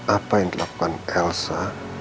apa yang dilakukan elsa